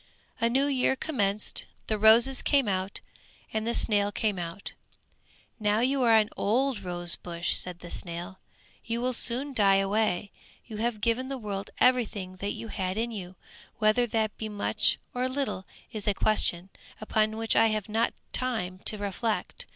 A new year commenced; the roses came out, and the snail came out. "Now you are an old rose bush," said the snail, "you will soon die away. You have given the world everything that you had in you; whether that be much or little is a question, upon which I have not time to reflect.